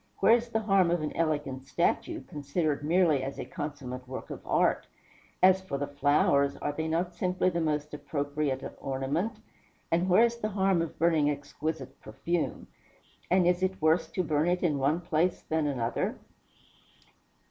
Where is the harm of an elegant statue, considered merely as a consummate work of art? As for the flowers, are they not simply the most appropriate ornament? And where is the harm of burning exquisite perfume? And is it worse to burn it in one place than another?"